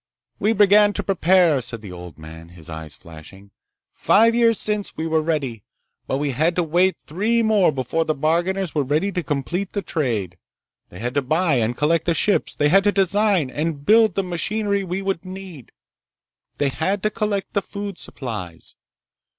"We began to prepare," said the old man, his eyes flashing. "Five years since, we were ready. But we had to wait three more before the bargainers were ready to complete the trade. They had to buy and collect the ships. They had to design and build the machinery we would need. They had to collect the food supplies.